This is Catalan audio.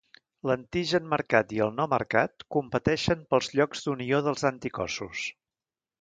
L'antigen marcat i el no marcat competeixen pels llocs d'unió dels anticossos.